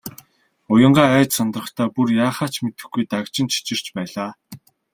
Уянгаа айж сандрахдаа бүр яахаа мэдэхгүй дагжин чичирч байлаа.